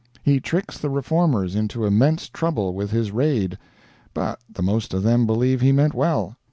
He tricks the Reformers into immense trouble with his Raid, but the most of them believe he meant well.